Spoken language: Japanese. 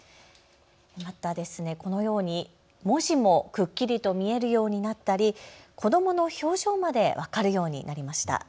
またこのように文字もくっきりと見えるようになったり、子どもの表情まで分かるようになりました。